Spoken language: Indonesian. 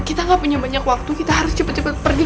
kita gak punya banyak waktu kita harus cepat cepat pergi